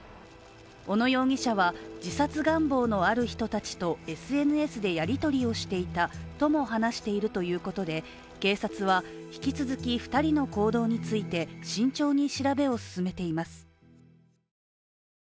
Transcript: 小野容疑者は、自殺願望のある人たちとＳＮＳでやり取りをしていたとも話しているということで警察は引き続き２人の行動について慎重に調べを進めています。